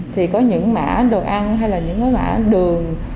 thì có những mã đồ ăn hay là những cái mã đường